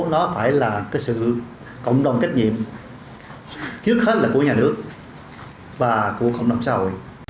nó phải là cái sự cộng đồng trách nhiệm trước hết là của nhà nước và của cộng đồng xã hội